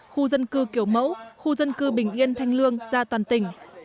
khu dân cư kiểu mẫu khu dân cư bình yên thanh lương ra toàn tỉnh